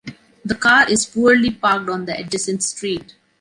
The car is poorly parked on the adjacent street.